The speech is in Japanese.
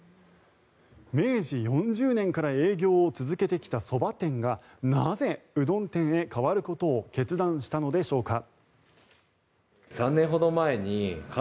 明治４０年から営業を続けてきたそば店がなぜ、うどん店へ変わることを決断したのでしょうか。